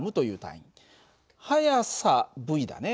速さυだね。